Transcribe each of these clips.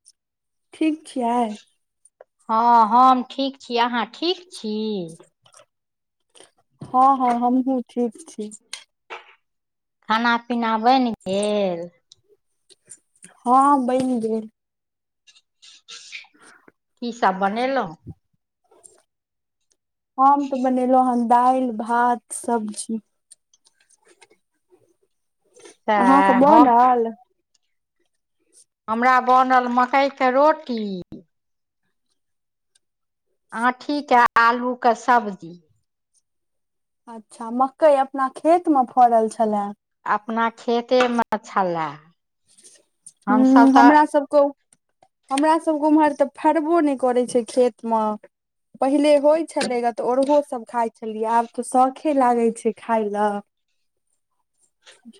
[inaudible] ठीक छियै हँ हम ठीक छी अहाँ ठीक छी हँ हँ हमहुँ ठीक छी खाना पीना बेन गेल हँ बेन गेल [unintelligible] की सब बनेलहुँं [inaudible] हम तऽ बनेलहुँ हन दालि भात सब्जी अहाँके तऽ हम बनल हमरा बनल मकइके रोटी आँठीेके आलू कऽ सब्जी अच्छा मक्कई अपना खेत मे फड़ल छलए अपना खेतेमे छलए हू हमसभ तऽ हमरा सब हमरा सबके उम्हर तऽ फड़बो नहि करैत छै खेत मऽ पहिले होइत छलैग तऽ ओरहो सभ खाइ छलियै आब तऽ शौखे लागै छै खााय लऽ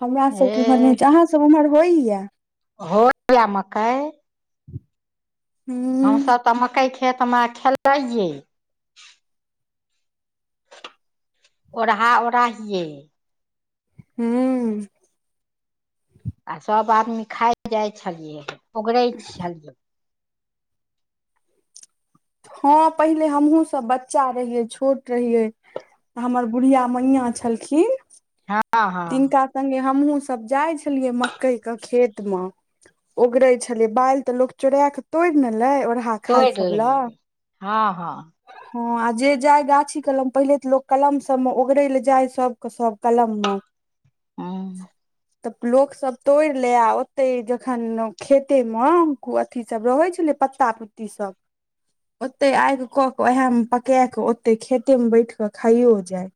हमरा सबके इमर हे होइ छै अहाँ सब उमहर होइया होइये मकई ह हमसभ तऽ मकइ खेतमे खेलैयै औरहा ओढ़ाहियै हू आ सभ आदमी खाइ जाइ छलियै ओगरै छलियै हँ पहिले हमहुँ सब बच्चा रहियै छोट रहियै त हमर बुढ़िया मैंया छलखिन हँ हँ तिनका सङ्गे हमहुँ सभ जाइ छलियै मक्कइके खेत मऽ ओगरै छलैय बालि कऽ तऽ लोक चोरा क तोड़ि न लेय ओरहा खाय तोर सब लै ले हँ हँ हँ आ जे जाय गाछी कलम पहिले तऽ लोक कलम सब में ओगरे ले जाय सबके सब कलम मऽ [inaudible] हूँ तऽ लोक सब तोड़ि लै आ ओते जखन खेते मऽ अथी सब रहय छलै पत्ता पुत्ती सब ओते आगि कऽ ओएह में पकाए कऽ ओतेक खेतेमे बैठ कऽ खाइयो जाइ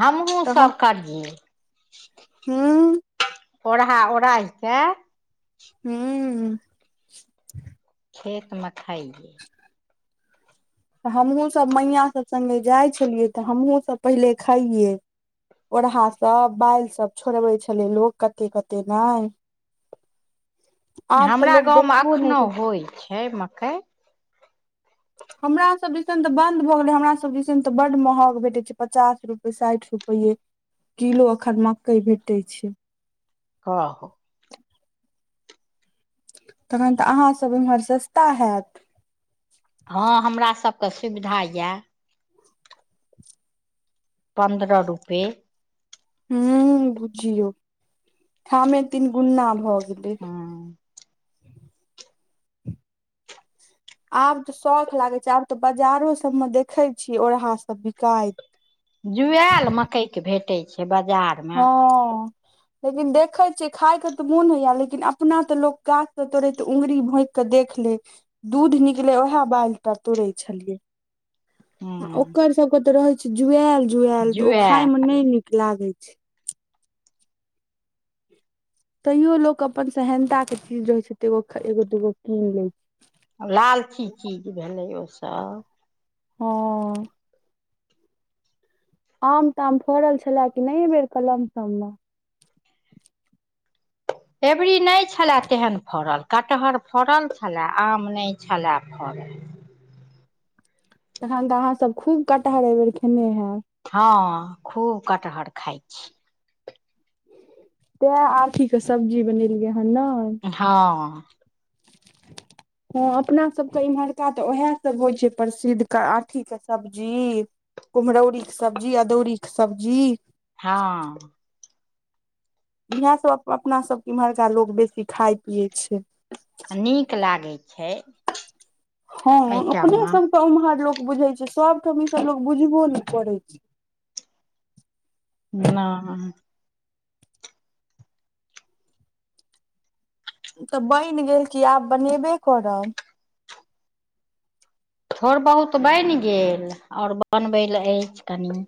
हमहूँ सब करयै हँ ओढ़हा ओढ़ाहिके हूँ खेत में खइे तऽ हमहूँ सब मैया सब संगे जाइ छलियै तऽ हमहुँ सब पहिले खइये ओरहा सब बालि सब छोड़बै छले लोक कते कते नइ तऽ हमरा लोक गाँव में देखबो नहि कर एखनोहु होइ छै मकइ हमरा सब दिसन तऽ बन्द भऽ गेलै हमरा सब दिसन तऽ बड महग भेटैत छै पचास रुपए साइठ रुपैए किलो अखन मकई भेटय छै हँ तखन तऽ अहाँसब एम्हर सस्ता हैत हँ हमरा सबके सुविधा यए पन्द्रह रुपये हूँ बुझियौ ठामे तीन गुन्ना भऽ गेलै हँ आब तऽ शौख लागै छै आब तऽ बजारो सबमे देखे छीयै ओरहा सब बिकाइत जुआयल मकई के भेटै छय बाजार हँ लेकिन देखे छ खाय के तऽ मोन होइया लेकिन अपना तऽ लोक गाछ त तोड़ैत उंगरी भोंक के देख ले दूध निकले उएह बालटा तोड़े छलियै आ हूँ ओकर सबके तऽ रहै छै जुआल जुआएल तऽ ओ खाय में जुआएल नइ नीक लागै छै तैयो लोक अपन सेहनता के चीज रहै छै तऽ एगो एगो दूगो कीन ले लालची चीज भेलै ओ सब हँ आम ताम फड़ल छलए कि नइ बेर कलमसब में अबरी नइ छलए तेहन फड़ल कटहर फड़ल छलै आम नइ छलै फड़ल तखन तऽ अहाँ सब खूब कटहर एहिबेर खेने हैब हँ खूब कटहर खाइ छी तैं आठी के सब्जी बनेलियै हन ने हँ हँ अपना सबके इम्हरका तऽ उएह सब होइ छै प्रसिद्ध आठीे सब्जी कुमरौरी क सब्जी अदौरी कऽ सब्जी हँ इएह सब अपना सबके इम्हरका लोक बेसी खाय पियै छै नीक लागै छय हँ अपने सब तऽ उम्हर लोक बुझे छय सबठाम ई सब लोक बुझबो ने करै छय नइ तऽ बनि गेल कि आब बनेबे करब थोड़ बहुत बइन गेल आओर बनबै लए अछि कनि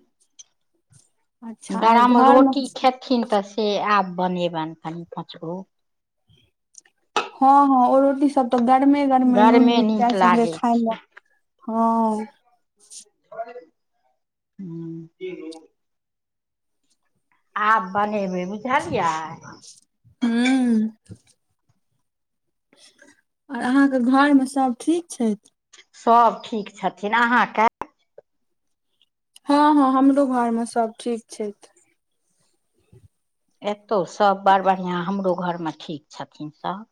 अच्छा और गरम घर मे रोटी खेथिन तऽ से आब बनेबनि कनि पाँच गो हँ हँ ओ रोटी सब तऽ गरमे गरमे नून मिरचाइ नीक संगे लागै खाम छै हँ [unintelligible] आब बनेबै बुझलियै हू [inaudible] और अहाँके घरमे सभ ठीक छैथ सब ठीक छथिन अहाँके हँ हँ हमरो घरमे सब ठीक छैथ एतौ सब बड़ बढ़िया हमरो घर मे ठीक छथिन सब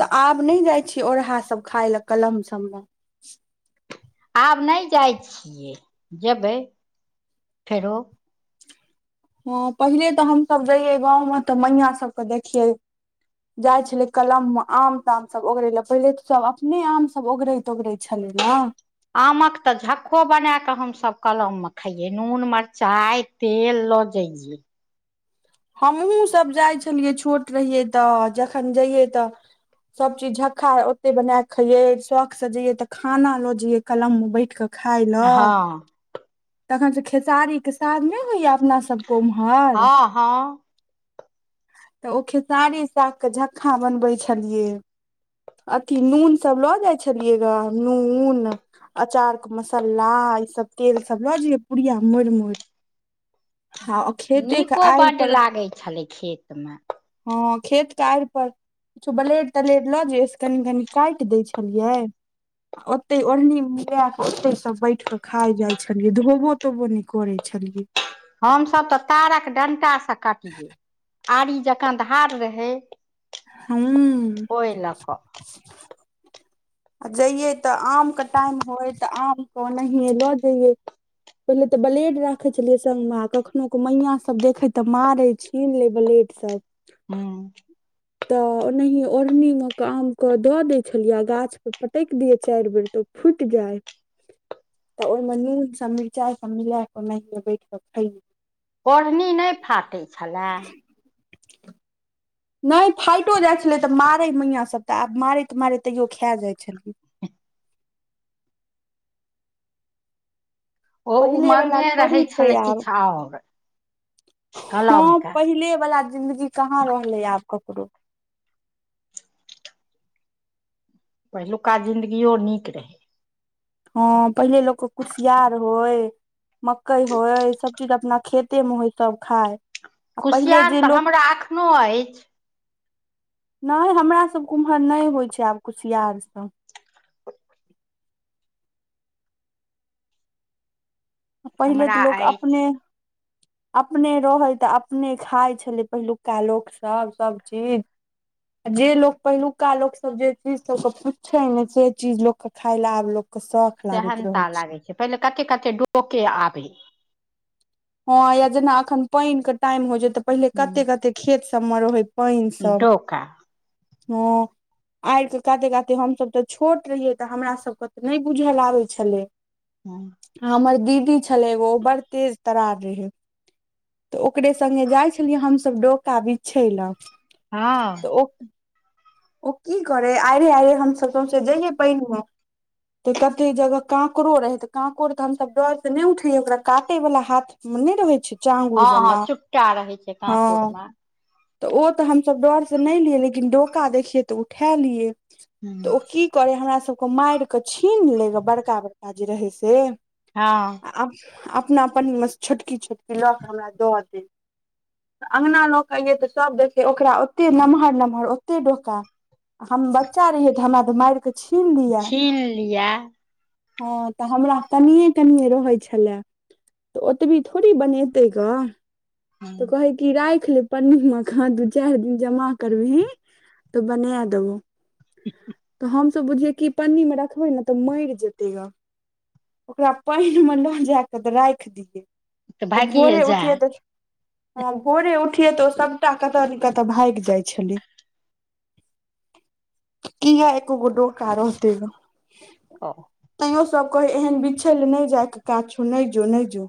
तऽ आब नहि जाइ छिए ओरहा सभ खाय लए कलम सभमे आब नहि जाइ छियै जेबै फेरो हँ पहिले तऽ हमसभ रहिऐ गाँव में तऽ मैया सबके देखियै जाय छले कलम मे आम ताम सब ओगरे ले पहिले त सब अपने आम सब ओगरे ओगरे छलै न आमक तऽ झक्को बना कऽ हमसभ कलम मे खैयै नून मिरचाइ तेल ल जइयै हमहूँ सभ जाइ छलियै छोट रहियै तऽ जखन जइयै तऽ सब चीज झक्का ओते बना क खैये शौक से जइये तऽ खाना लो जइये कलम मे बैठ के खाइ ल हँ तखन त खेसारीके साग नहि होइया अपना सबके उम्हर हँ हँ तऽ ओ खेसारी सागके झक्खा बनबै छलियै अथी नून सब लऽ जाइ छलियै नून अचार के मसाला ई सब तेल सब लऽज पुड़िया मोड़ मोड़ [inaudible] ह नीको बड लागै छलै खेत मे हँ खेत क आइपर किछो ब्लेड तलेर लऽ जइै से कनि कनी काटि दै छलियै ओते ओढ़नी मिला के ओते सब बैठ के खा जाय छै छलियै धोबो तोबो नहि करै छलियै हमसभ तऽ तारक डंटा स से काटियौ आरी जकाँ धार रहै [unintelligible] ओहि लऽ कऽ आ जैयै तऽ आमके टाइम होय तऽ आमके ओनाहिए लऽ जैयै पहिले ते ब्लेड राखे छलिये संग में कखनो क मैया सब देखे तऽ मारे छै कीन ले ब्लेट सब [unintelligible] तऽ ओनाहि ओढ़नी मे के आम के दऽ दै छलियै गाछ पे पटकि दिय चारि बेर तऽ फुट जाइ तऽ ओहिमे नून सभ मिरचाइ सभ मिलाऽ ओहि बैठ कऽ खैलहुँ ओढ़नी नहि फाटैत छलए नहि फाइटो जाइत छलै तऽ मारै मैयसभ तऽ आब मारैत मारैत तैयो खा जाइत छलिए ओ पहिले वला उमंगे रहै थोड़ी छै छलै आब किछु आओर [inaudible] हँ कलमके पहिले वला जिंन्दगी कहाँ रहलै आब ककरो पहिलु का जिंन्दगियो नीक रहै ह पहिले लोकके कुशियार होय मकई हो सभ चीज अपना खेते मे होय सभ खाइ कुशियार तऽ हमरा एखनोहु अछि। नहि हमरा सभके उम्हर नहि होइ छै आब कुशियार सभ पहिले हमरा तऽ लोक अछि अपने। अपने रहै तऽ अपने खाय छलै पहिलुका लोक सभ चीज जे लोक पहिलुका लोक सभ जे चीज सभके पुछे ने से चीज लोक खाय ले आब लोक के शौख। लागैत सेहनता रहै लागे छै पहिले कते कते डोके आबे। ह या जेना एखन पानिके टाइम होइ छै तऽ पहिले कते कते खेत सभमे रहै पैनसभ डोका ह आर के काते काते हम सभ ते छोट रहिये ते हमरा सभ के त नहि बुझल आबे छले [inaudible] [inaudible] हमर दीदी छलै एगो ओ बड़ तेज तरार रहै। तऽ ओकरे संघे जाइ छलियै हमसभ डोका बिछै लऽ हँ। तऽ ओ। ओ की करे आइ रे आइ रे हम सौंसे जइये पान मे तऽ कते जगह कांको रहे तऽ कांकोड़ तऽ हमस डर से नहि उठेया ओकरा काटे वला हाथ नहि रहै छै चंगुर हँ जेना चुपटा रहै छै ह कांकोर मे तऽ ओ तऽ हमसभ डर से नहि लियै लेकिन डोका देखियए तऽ उठा लियै तऽ ओ कि करे हमरा सभके मारि के छीन ले ग बड़का बड़का जे रहे से हँ। अप अपनाप छोट कि छोट कि लऽ कऽ हमरा दऽ देब अगना लोकऽ कऽ अइयै तऽ सभ देखियै ओकरा ओतेक नमहर नमहर ओते डोका आ हम बच्चा रहियै तऽ हमरा तऽ मारि कऽ छीन लिआ छीन लिअ हँ तऽ हमरा कनिट ने रहै छल तऽ ओतबी थोड़ी बनेतै गा। तऽ कहे कि राखि लेब पन्नी मका दू चारि दिन जमा करबही। तऽ बनाय देबौ। तऽ हमस बुझिय कि पन्नी मे रखबै ने तऽ मरि जेतै ओकरा पानिमे लऽ जा कऽ तऽ राखि दियै ओ भागिए भोरे जा उठियै त ह भोरे उठियै तऽ ओ सभटा कतऽ ने कतऽ भागि जाइत छलै किया एको गो डोका रहोतै ग क तैयो सभ कहै एहन बिछै ल नहि जायके काछो नहि जो नहि जो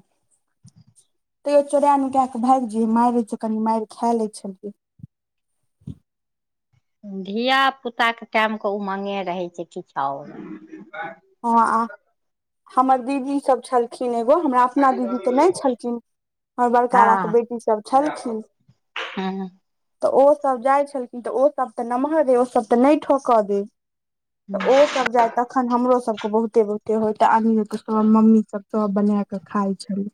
तैयो चोरा नुका कऽ भागि जे मारित छै कनि मारि खा लै छलियै धियापुताके टाइमके ओ उमागे रहै छै किछु आओर ह आ हमर दीदी सभ छल खिन एगो हमरा अपना दीदी तऽ नहि छलखिन हमर बड़का बा हँ के बेटी सभ छलखिन हँ। तऽ ओसभ जाइ छलखिन तऽ ओसभ तऽ नमहर रे ओसभ तऽ नहि ठीकऽ दे तऽ ओ सभ जाय तखन हमरो सभ सभ के बहुते बहुते होय आदमी सभ मम्मी सभ सभ बना क खाय छले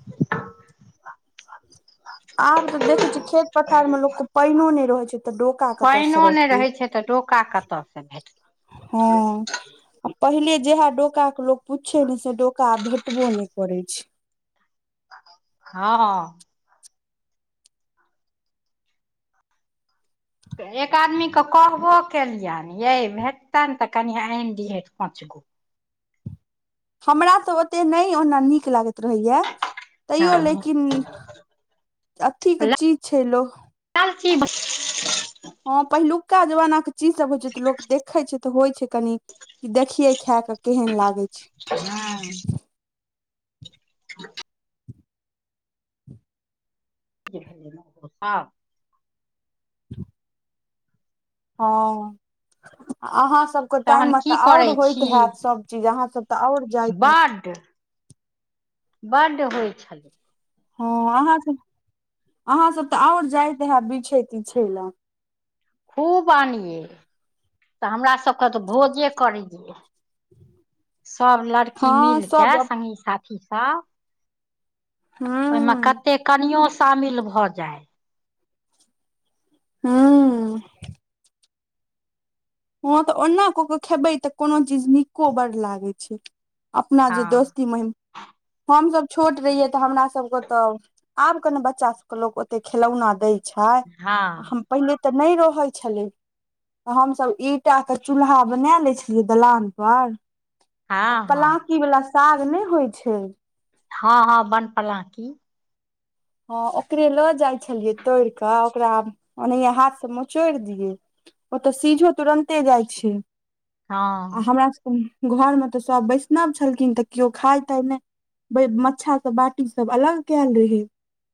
[inaudible] आब तऽ देखे छियै खेत पथार मे लोक के पाइनो नहि रहे छै तऽ डोका कतऽ से पानिओ रह रहै छै तऽ डोका क ओत से भेटत हँ पहिले जेहा डोका के लोक पूछ ने से डोका भेटबोनि करै छै हँ एक आदमीकेँ कहबो केलियनि ये भेटतनि तऽ कनि आनि दिहथि पाँच किलो हमरा तऽ ओतेक नहि ओना नीक लागैत रहैय तैयो हँ लेकिन अथी के चीज छै लो आइल छि हँ पहिलुका जमानाके चीजसभ होइ छै तऽ लोक देखै छै तऽ होइ छै कनी देखिये खाय के केहन लागे छै ह [inaudible] ह [inaudible] भेलस [inaudible] ह हअहाँसभके तहन टाइममे तऽ की आओर करै होइत छी हैत सभ चीज अहाँसभ त आउर जाइत हैत पड [inaudible] बड्ड होइ छलै हँ अहाँ सब अहाँ सब तऽ आओर जाइत हैब बिछय तिछय लए खूब आनिये तऽ हमरा सबके तऽ भोजे करैये सभ लड़की हँ मिल सब कऽ सङ्गी साथीसभ हूँ ओहिमे कते कनियो शामिल भऽ जाय हँ ह तऽ ओना कऽ केऽ खेबै तऽ कोनो चीज नीको बड़ लागै छै अपना हँ जे दोस्ती महिम हमसभ छोट रहियै तऽ हमर सभके तऽ आब कने बच्चा सब के लोको ओते खेलौना दै छै हँ छै हम पहिले तऽ नहि रहै छलै त हमसभ ईटा के चूल्हा बना ले छलियै दलान पर हँ हँ पता की वला साग नहि होइ छै हँ हँ बनपलाकी ह ओकरे लऽ जाइ छलियै तोड़ कऽ ओकरा ओनहिये हाथ सँ मचोड़ि दियै ओ तऽ सीझो तुरन्ते जाइ छै हँ आ हमरा सब घरमे तऽ सभ बैष्णव छलखिन तऽ केओ खााय ताय नहि मच्छा सब बाटी सब अलग कयल रहे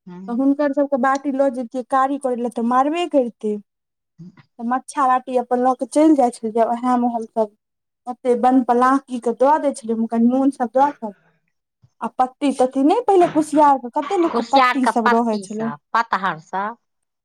हूँ तऽ हुनकरसभके बाटी लऽ जैतियै कारी करै लए तऽ मारबे करितै तऽ मच्छा राटी अपन लऽ के चलि जाइ छलियै उहे मे हम सब ओते बन पलांकी के दआ दै छलैख क नून सब द क आ पत्ती सब नहि पहिले कुसियार के कते लु कुसियार पति के सब रहै पत्ती छलै। सब पतहर सब।